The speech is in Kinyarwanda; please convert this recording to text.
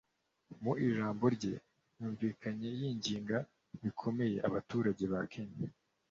Mu ijambo rye yumvikanye yinginga bikomeye abaturage ba Kenya